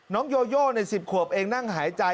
โยโยใน๑๐ขวบเองนั่งหายใจ